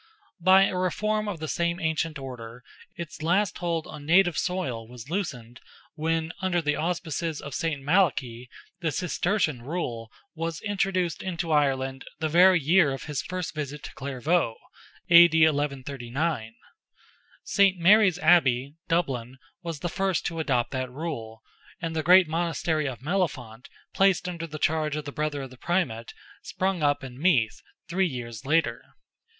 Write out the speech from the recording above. By a reform of the same ancient order, its last hold on native soil was loosened when, under the auspices of St. Malachy, the Cistercian rule was introduced into Ireland the very year of his first visit to Clairvaux (A.D. 1139). St. Mary's Abbey, Dublin, was the first to adopt that rule, and the great monastery of Mellifont, placed under the charge of the brother of the Primate, sprung up in Meath, three years later.